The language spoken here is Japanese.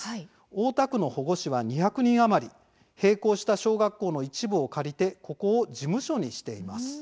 大田区の保護司は２００人余り。閉校した小学校の一部を借りてここを事務所にしています。